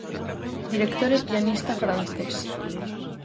Director e pianista francés.